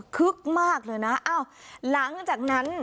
ึกมากเลยนะอ้าวหลังจากนั้น